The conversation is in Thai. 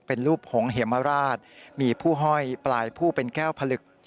เป็นรูปหงเหมราชมีผู้ห้อยปลายผู้เป็นแก้วผลึก